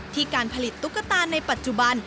การผลิตตุ๊กตาในปัจจุบัน